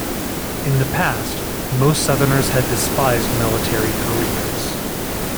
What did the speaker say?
In the past most Southerners had despised military careers.